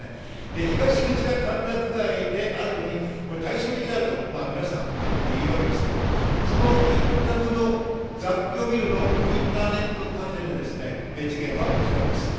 東口が歓楽街であるのに対照的であると皆さん言うわけですけど、その一角の雑居ビルのインターネットカフェで事件は起きたわけです。